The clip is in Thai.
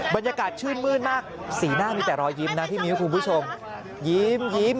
บรรยากาศชื่นมืดมากสีหน้ามีแต่รอยยิ้มนะพี่มิ้วคุณผู้ชมยิ้ม